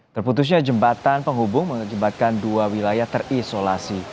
terputusnya jembatan penghubung mengakibatkan dua wilayah terisolasi